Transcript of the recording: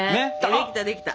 できたできた。